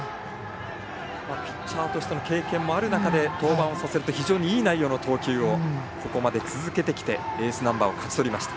ピッチャーとしての経験もある中で登板させると非常にいい内容の投球を続けてきてエースナンバーを勝ち取りました。